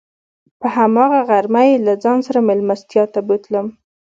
په هماغه غرمه یې له ځان سره میلمستیا ته بوتلم.